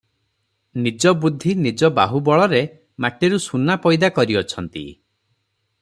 ନିଜ ବୁଦ୍ଧି ନିଜ ବାହୁ ବଳରେ ମାଟିରୁ ସୁନା ପଇଦା କରିଅଛନ୍ତି ।